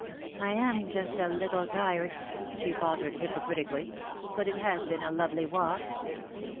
" I am just a little tired," she faltered hypo critically, "but it has been a lovely walk."